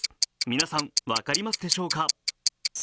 皆さん、分かりますでしょうか。